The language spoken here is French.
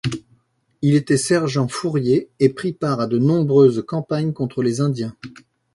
Il était sergent fourrier et prit part à de nombreuses campagnes contre les Indiens.